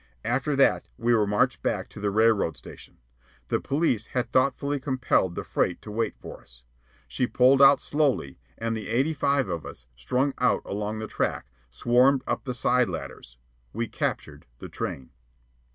After that we were marched back to the railroad station. The police had thoughtfully compelled the freight to wait for us. She pulled out slowly, and the eighty five of us, strung out along the track, swarmed up the side ladders. We "captured" the train.